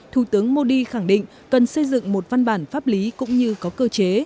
thủ tướng modi khẳng định cần xây dựng một văn bản pháp lý cũng như có cơ chế